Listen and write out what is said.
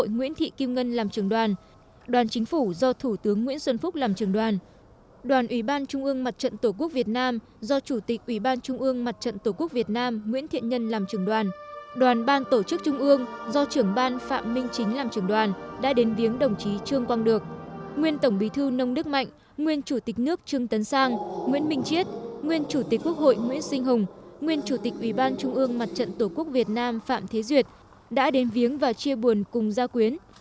nguyễn minh chiết nguyên chủ tịch quốc hội nguyễn sinh hùng nguyên chủ tịch ủy ban trung ương mặt trận tổ quốc việt nam phạm thế duyệt đã đến viếng và chia buồn cùng gia quyến